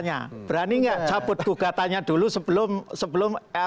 lagi karena ada katakanlah soal pilkada sekarang ini oke kita udah mendukung pemerintah mas indra